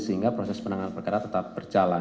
sehingga proses penanganan perkara tetap berjalan